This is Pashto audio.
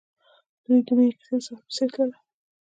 د دوی د مینې کیسه د ساحل په څېر تلله.